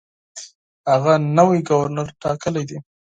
هغه نوی ګورنر ټاکلی دی.